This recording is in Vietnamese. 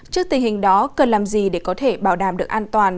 trước tình hình đó cần làm gì để có thể bảo đảm được an toàn